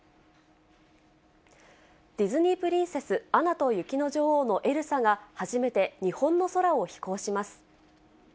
ディズニープリンセス、アナと雪の女王のエルサが、初めて日本の空を飛行します。